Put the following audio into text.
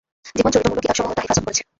জীবন চরিতমূলত কিতাবসমূহ তা হেফাজত করেছে।